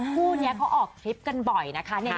คู่นี้เขาออกทริปกันบ่อยนะคะ